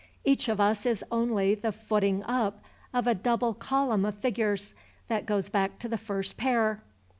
Each of us is only the footing up of a double column of figures that goes back to the first pair.